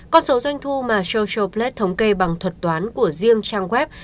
con số doanh thu mà socialplate thống kê bằng thuật toán của riêng trang web